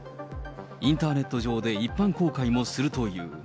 インターネット上で一般公開もするという。